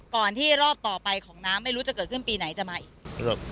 ที่รอบต่อไปของน้ำไม่รู้จะเกิดขึ้นปีไหนจะมาอีก